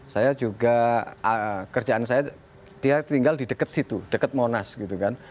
saya juga kerjaan saya dia tinggal di dekat situ dekat monas gitu kan